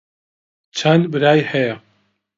چەند برای هەیە؟